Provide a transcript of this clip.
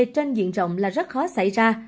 trên diện rộng là rất khó xảy ra